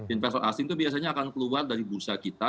investor asing itu biasanya akan keluar dari bursa kita